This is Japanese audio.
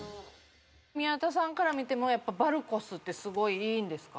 宮田さんから見てもバルコスってすごいいいんですか？